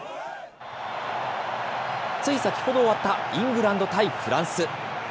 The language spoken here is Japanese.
つい先ほど終わったイングランド対フランス。